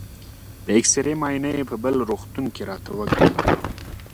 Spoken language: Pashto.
د اېکسرې معاینه یې په بل روغتون کې راته وکړه.